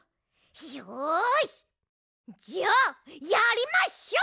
よしじゃあやりましょう！